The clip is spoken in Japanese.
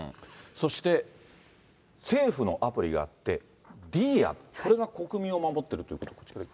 そして政府のアプリがあって、ディーア、これが国民を守っているということ。